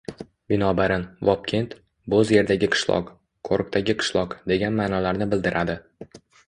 Binobarin, Vobkent – «bo‘z yerdagi qishloq », «qo‘riqdagi qishloq » degan ma’nolarni bildiradi.